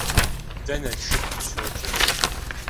Дэ Налшык дыщоджэ.